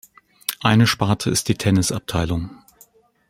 Eine Sparte ist die Tennisabteilung.